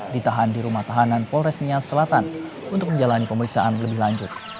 ditahan di rumah tahanan polres nia selatan untuk menjalani pemeriksaan lebih lanjut